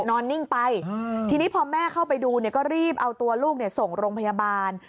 นิ่งไปทีนี้พอแม่เข้าไปดูเนี่ยก็รีบเอาตัวลูกส่งโรงพยาบาล